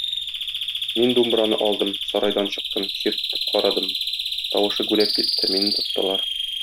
Мин думбраны алдым, сарайдан чыктым, чиртеп карадым, тавышы гүләп китте, мине тоттылар.